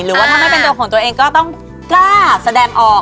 หรือว่าถ้าไม่เป็นตัวของตัวเองก็ต้องกล้าแสดงออก